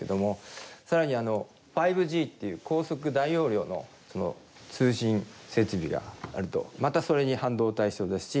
更に５Ｇっていう高速大容量の通信設備があるとまたそれに半導体必要ですし。